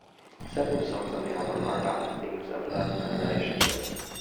Several songs on the album are about the themes of love and relationships.